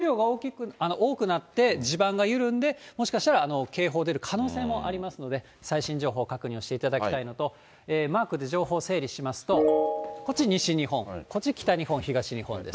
あと大型連休明けの月曜日の朝に、総雨量が多くなって、地盤が緩んで、もしかしたら警報出る可能性もありますので、最新情報、確認をしていただきたいのと、マークで情報を整理しますと、こっち西日本、こっち北日本、東日本です。